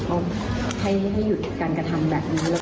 ก็ให้ไม่หยุดการกระทำแบบนี้